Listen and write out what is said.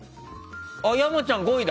山ちゃん、５位だ！